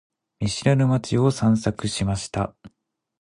見知らぬ街を散策しました。